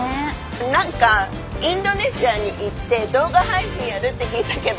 何かインドネシアに行って動画配信やるって聞いたけど。